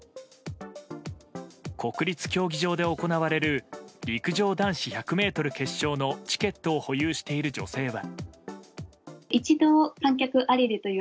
国立競技場で行われる陸上男子１００ｍ決勝のチケットを保有している女性は。